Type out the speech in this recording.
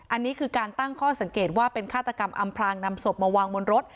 อันนี้คือการตั้งข้อสังเกตว่าเป็นฆาตกรรมอำพลางนำศพมาวางบนรถ